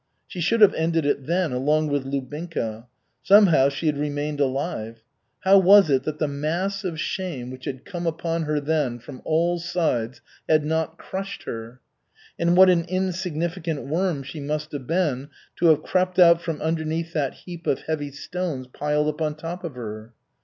She should have ended it then, along with Lubinka. Somehow she had remained alive. How was it that the mass of shame which had come upon her then from all sides had not crushed her? And what an insignificant worm she must have been to have crept out from underneath that heap of heavy stones piled up on top of her!